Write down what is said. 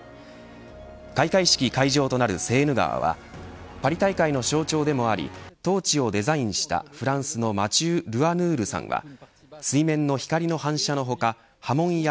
開会式会場となるセーヌ川はパリ大会の象徴でもありトーチをデザインしたフランスのマチュー・ルアヌールさんはおや？